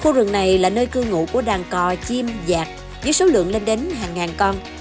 khu rừng này là nơi cư ngụ của đàn cò chim giạc với số lượng lên đến hàng ngàn con